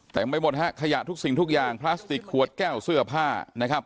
ไปหมดฮะขยะทุกสิ่งทุกอย่างพลาสติกขวดแก้วเสื้อผ้านะครับ